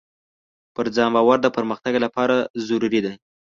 پر ځان باور د پرمختګ لپاره ضروري دی.